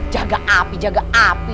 jaga api jaga api